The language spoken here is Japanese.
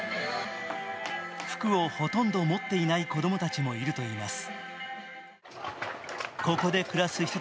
服をほとんど持っていない子供たちもいるといます。